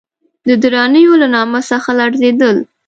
د درانیو له نامه څخه لړزېدل.